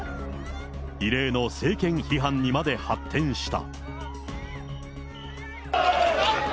異例の政権批判にまで発展した。